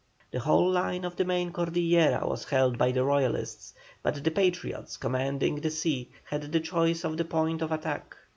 The whole line of the main Cordillera was held by the Royalists, but the Patriots commanding the sea had the choice of the point of attack.